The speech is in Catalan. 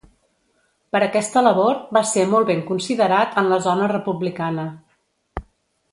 Per aquesta labor va ser molt ben considerat en la zona republicana.